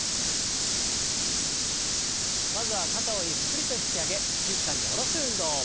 まずは肩をゆっくりと引き上げ静かに下ろす運動。